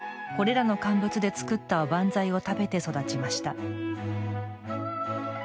山上さんはこれらの乾物で作ったおばんざいを食べて育ちました。